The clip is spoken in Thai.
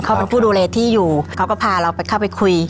เขาเป็นผู้ดูแลที่อยู่เขาก็พาเราไปเข้าไปคุย